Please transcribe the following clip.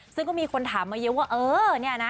ซึ่งก็มีคนถามมาเยอะว่าเออเนี่ยนะ